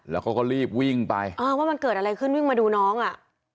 แล้วเขาก็รีบวิ่งไปอ่าว่ามันเกิดอะไรขึ้นวิ่งมาดูน้องอ่ะ